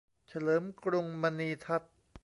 เฉลิมกรุงมณีทัศน์